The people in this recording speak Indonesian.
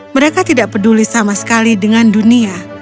mereka tidak peduli sama sekali dengan dunia